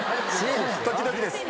時々です